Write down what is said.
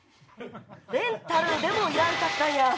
レンタルでもいらんかったんや。